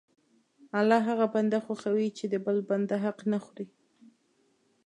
الله هغه بنده خوښوي چې د بل بنده حق نه خوري.